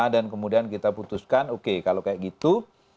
dan kemudian kita putuskan oke kalau kayak gitu